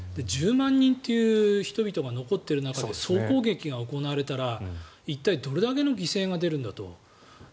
１０万人という人々が残っている中で総攻撃が行われたら一体どれだけの犠牲が出るんだと。